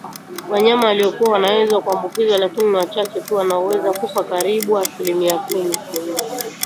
Wanyama waliokua wanaweza kuambukizwa lakini ni wachache tu wanaoweza kufa karibu asilimia kumi